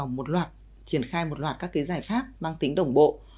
trong thời gian vừa qua chúng ta đã triển khai một loạt các giải pháp mang tính đồng bộ